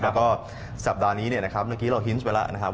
แล้วก็สัปดาห์นี้เนี่ยนะครับเมื่อกี้เราฮินส์ไปแล้วนะครับ